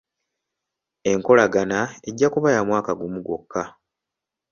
Enkolagana ejja kuba ya mwaka gumu gwokka.